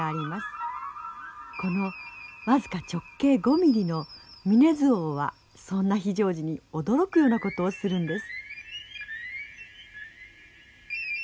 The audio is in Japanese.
この僅か直径５ミリのミネズオウはそんな非常時に驚くようなことをするんです。